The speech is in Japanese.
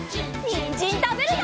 にんじんたべるよ！